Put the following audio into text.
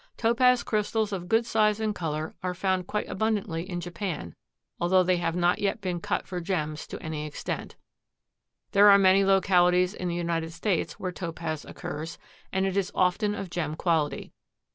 Topaz crystals of good size and color are found quite abundantly in Japan, although they have not yet been cut for gems to any extent. There are many localities in the United States where Topaz occurs, and it is often of gem quality.